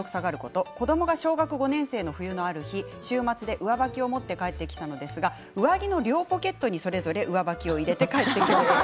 子どもが小学５年生の冬のある日週末で上履き持って帰ってきたのですが上着の両ポケットにそれぞれ上履きを入れて帰ってきました。